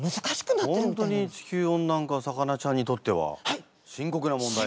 本当に地球温暖化魚ちゃんにとっては深刻な問題。